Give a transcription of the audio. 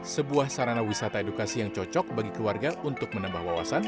sebuah sarana wisata edukasi yang cocok bagi keluarga untuk menambah wawasan